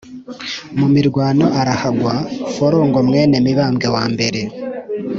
mu mirwano arahagwa forongo mwene mibambwe i,